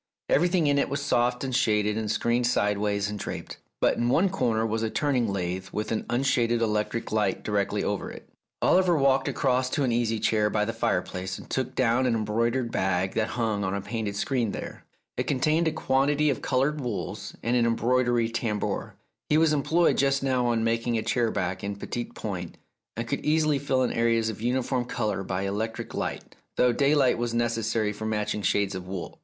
Everything in it was soft and shaded and screened sideways and draped. But in one corner was a turning lathe with an unshaded electric light directly over it. Oliver walked across to an easy chair by the fire place, and took down an embroidered bag that hung on a painted screen there. It contained a quantity of coloured wools, and an embroidery tambour. He 269 The Tragedy of Oliver Bowman was employed just now on making a chair back in petit point, and could easily fill in areas of uniform colour by electric light, though daylight was neces sary for matching shades of wool.